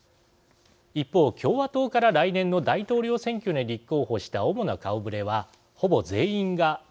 一方共和党から来年の大統領選挙に立候補した主な顔ぶれはほぼ全員が対中強硬派です。